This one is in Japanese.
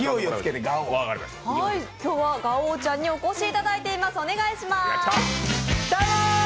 今日はガオちゃんにお越しいただいています。